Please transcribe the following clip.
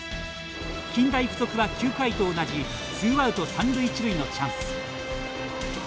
近大付属は９回と同じツーアウト三塁一塁のチャンス。